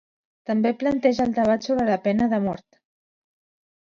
També planteja el debat sobre la pena de mort.